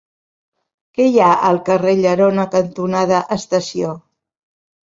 Què hi ha al carrer Llerona cantonada Estació?